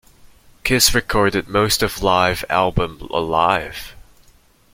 Kiss recorded most of live album Alive!